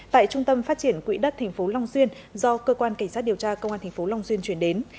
tại trung tâm phát triển quỹ đất tp long xuyên do cơ quan cảnh sát điều tra công an tp long xuyên chuyển đến